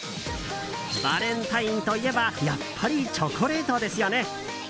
バレンタインといえばやっぱりチョコレートですよね。